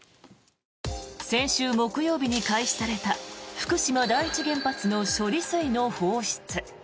先週木曜日に開始された福島第一原発の処理水の放出。